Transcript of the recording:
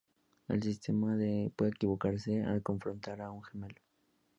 El sistema puede equivocarse al confrontar a un gemelo.